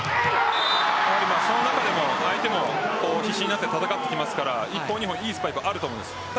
その中で相手も必死になって戦ってきますから１本、２本にもいいスパイクあると思います。